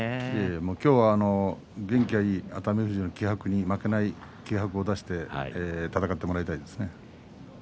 今日は元気のいい熱海富士の気迫に負けない気迫を出して戦ってもらいたいですね。